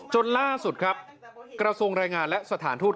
จนล่าสุดครับกระทรวงแรงงานและสถานทูต